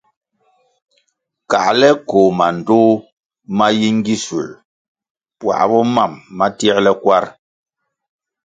Káhle koh mandtoh ma yi ngisuer puáh bo mam ma tierle kwar.